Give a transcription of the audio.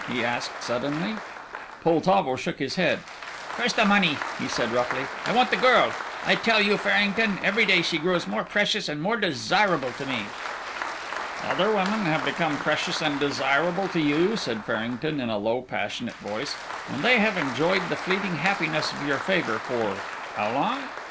he asked, suddenly. Poltavo shook his head. "Curse the money," he said, roughly; "I want the girl. I tell you, Farrington, every day she grows more precious and more desirable to me." "Other women have become precious and desirable to you," said Farrington in a low, passionate voice, "and they have enjoyed the fleeting happiness of your favour for how long?